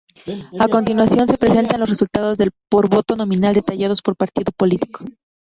A continuación se presentan los resultados por voto nominal detallados por partido político.